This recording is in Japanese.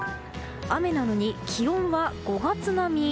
雨なのに気温は５月並み。